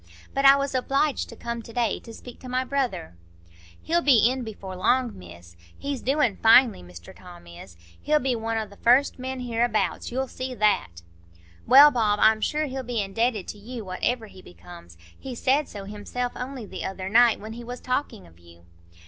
But I was obliged to come to day to speak to my brother." "He'll be in before long, Miss. He's doin' finely, Mr Tom is; he'll be one o' the first men hereabouts,—you'll see that." "Well, Bob, I'm sure he'll be indebted to you, whatever he becomes; he said so himself only the other night, when he was talking of you."